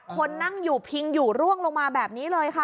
คนนั่งอยู่พิงอยู่ร่วงลงมาแบบนี้เลยค่ะ